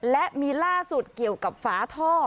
และมีล่าสุดเกี่ยวกับฝาท่อ